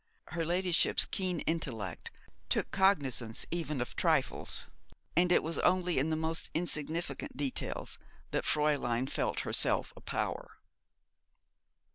Her ladyship's keen intellect took cognisance even of trifles: and it was only in the most insignificant details that Fräulein felt herself a power.